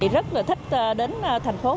rất là thích đến thành phố hoa